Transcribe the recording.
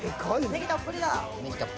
ネギたっぷりだ。